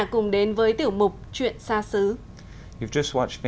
cùng đến với tiểu mục chuyện xa xứ